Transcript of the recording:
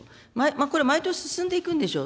これは毎年進んでいくんでしょう。